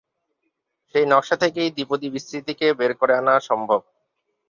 সেই নকশা থেকেই 'দ্বিপদী বিস্তৃতি' কে বের করে আনা সম্ভব।